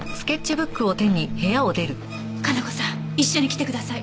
可奈子さん一緒に来てください。